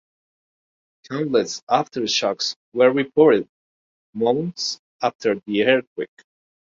Countless aftershocks were reported months after the earthquake.